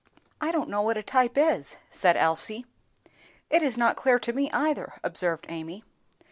"I don't know what a type is," said Elsie. "It is not clear to me either," observed Amy.